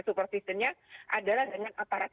support system nya adalah dengan aparat